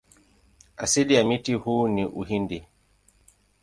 Asili ya mti huu ni Uhindi.